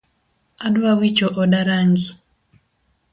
Adwa wicho oda rangi .